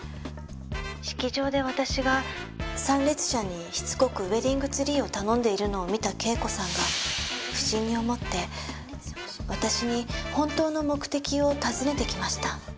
式場で私が参列者にしつこくウェディングツリーを頼んでいるのを見た圭子さんが不審に思って私に本当の目的を尋ねてきました。